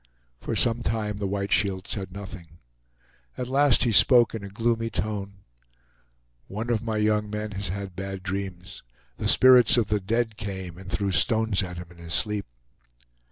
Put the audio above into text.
For some time the White Shield said nothing. At last he spoke in a gloomy tone: "One of my young men has had bad dreams. The spirits of the dead came and threw stones at him in his sleep."